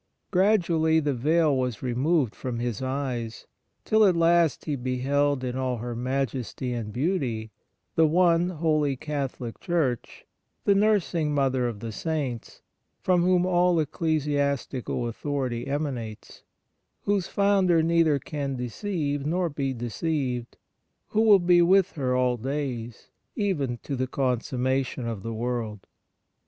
Gradually the veil was removed from his eyes, till at last he beheld in all her majesty and beauty the One, Holy, Catholic Church, the nursing Mother of the Saints, from whom all ecclesiastical authority emanates, whose Founder neither can deceive nor be deceived, Who will be with her all days, even to the consumma tion of the w^orld.